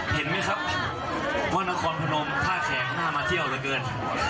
เห็นไหมครับว่านครพนมท่าแขกน่ามาเที่ยวเหลือเกิน